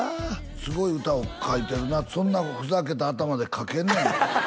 すごい歌を書いてるなそんなふざけた頭で書けんねんな